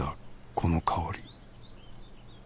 この香り